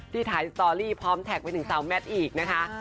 ที่ถ่ายสตอรี่พร้อมแท็กไปถึงสาวแมทอีกนะคะ